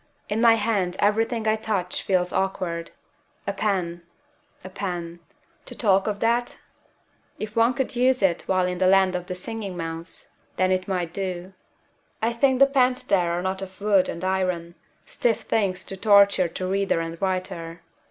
In my hand everything I touch feels awkward. A pen a pen to talk of that? If one could use it while in the land of the Singing Mouse then it might do. I think the pens there are not of wood and iron, stiff things of torture to reader and writer.